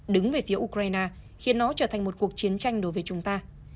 đứng về phía ukraine khiến nó trở thành một cuộc chiến tranh đối với chúng ta